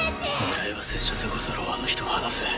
狙いは拙者でござろうあの人を放せ。